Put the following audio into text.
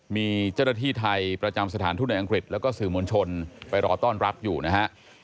มีเจ้าหน้าที่ไทยประจำสถานทูตในอังกฤษแล้วก็สื่อมวลชนไปรอต้อนรับอยู่นะฮะ